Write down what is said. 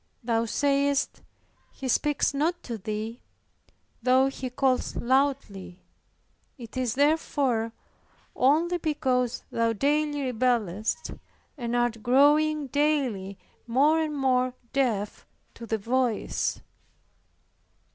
Thou sayest He speaks not to thee, though He calls loudly. It is therefore only because thou daily rebellest, and art growing daily more and more deaf to the voice.